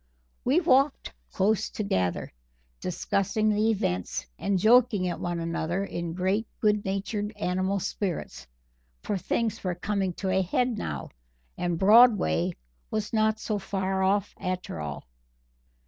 We walked close together, discussing the events and joking at one another in great good natured animal spirits, for things were coming to a head now and Broadway was not so far off after all.